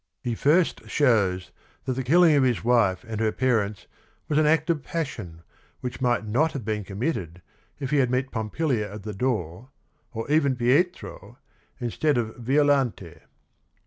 He first shows that the killing of his wife and her parents was an act of passion which might not have been committed if he had met Pompilia at the door, or even Pietro, instead of Violante.